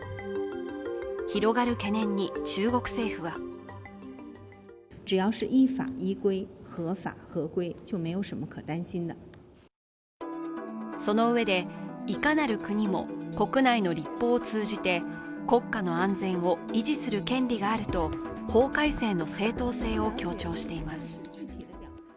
広がる懸念に中国政府はそのうえで、いかなる国も国内の立法を通じて国家の安全を維持する権利があると法改正の正当性を強調しています。